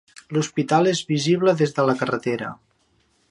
L'hospital és visible des de la carretera.